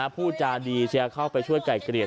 ผู้จานดีเชื่อเข้าไปช่วยไกลเกลียร์